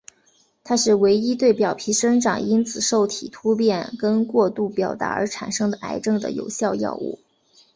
它是唯一对表皮生长因子受体突变跟过度表达而产生的癌症的有效药物。